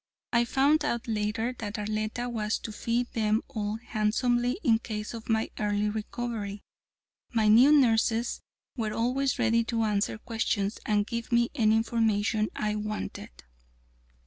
I found out later that Arletta was to fee them all handsomely in case of my early recovery. My new nurses were always ready to answer questions and give me any information I wanted.